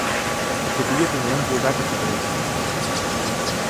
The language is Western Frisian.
It gebiet is allinnich oer wetter te berikken.